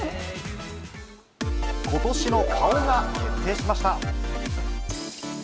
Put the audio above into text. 今年の顔が決定しました。